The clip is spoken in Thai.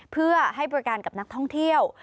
เพื่อให้บริการกับนักท่องเที่ยว